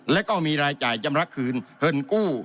แล้วก็มีรายจ่ายจำรักคืนเงินกู้